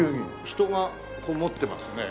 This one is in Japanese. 人が持ってますね。